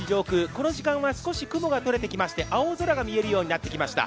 この時間は少し雲が取れてきまして青空が見えてきました。